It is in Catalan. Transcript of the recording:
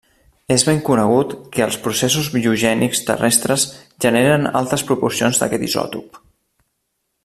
És ben conegut que els processos biogènics terrestres generen altes proporcions d'aquest isòtop.